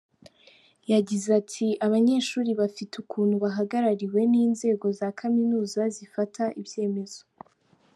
Yagize ati “Abanyeshuri bafite ukuntu bahagarariwe n’inzego za Kaminuza zifata ibyemezo.